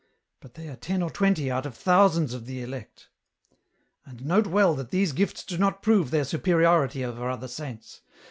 But they are ten or twenty out of thousands of the elect ! "And note well that these gifts do not prove their superiority over other Saints.